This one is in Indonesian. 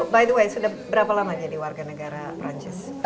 by the way sudah berapa lama jadi warga negara perancis